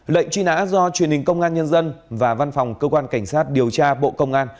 lệnh truy nã do truyền hình công an nhân dân và văn phòng cơ quan cảnh sát điều tra bộ công an